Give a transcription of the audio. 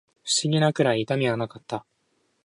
不思議なくらい痛みはなかった